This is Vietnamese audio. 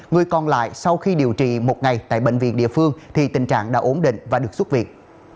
người còn lại sau khi điều trị một ngày tại bệnh viện địa phương thì tình trạng đã ổn định và được xuất viện